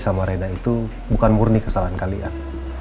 sama reda itu bukan murni kesalahan kalian